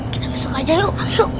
kita besok aja yuk